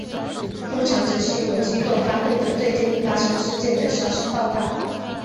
通常指新闻机构发布的最近发生事件的消息报道。